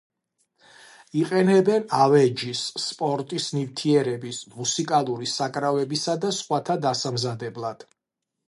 იყენებენ ავეჯის, სპორტის ნივთიერების, მუსიკალური საკრავებისა და სხვათა დასამზადებლად.